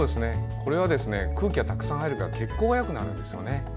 これは空気がたくさん入るから血行がよくなるんです。